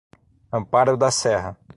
Amparo da Serra